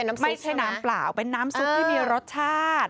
แล้วก็ไม่ใช่น้ำเปล่าเป็นน้ำซุปที่มีรสชาติ